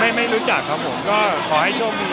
ไม่ไม่รู้จักครับผมก็ขอให้โชคดี